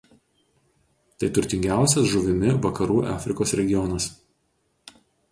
Tai turtingiausias žuvimi Vakarų Afrikos regionas.